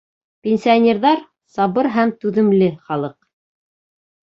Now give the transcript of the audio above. Пенсионерҙар — сабыр һәм түҙемле халыҡ.